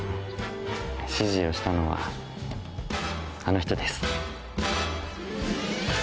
指示をしたのはあの人です。